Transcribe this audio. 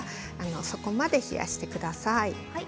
そこまで冷やしてください。